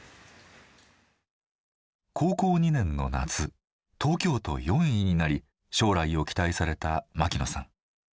高校２年の夏東京都４位になり将来を期待された牧野さん。